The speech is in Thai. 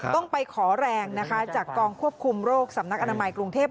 ต้องไปขอแรงนะคะจากกองควบคุมโรคสำนักอนามัยกรุงเทพ